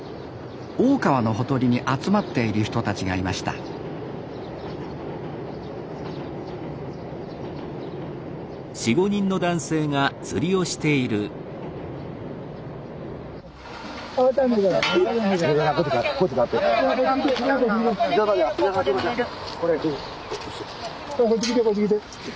大川のほとりに集まっている人たちがいましたこっち来てこっち来て。